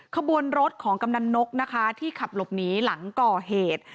ขบวนรถของกำนันนกนะคะที่ขับหลบหนีหลังก่อเหตุ